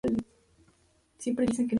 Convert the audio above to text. Uno de ellos obsesionado con Elvis.